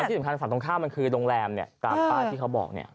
ที่สำคัญฝั่งตรงข้ามมันคือโรงแรมเนี่ยตามป้ายที่เขาบอกเนี่ย